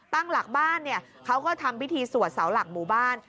ตั้งหลักบ้านเนี่ยเขาก็ทำพิธีสวดเสาหลักหมู่บ้าน